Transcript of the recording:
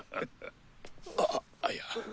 あっいや。